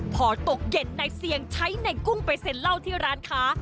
พอตกเย็นนายเซียงใช้ในกุ้งไปเซ็นเหล้าที่ร้านค้า